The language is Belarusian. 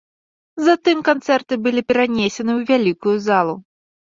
Затым канцэрты былі перанесены ў вялікую залу.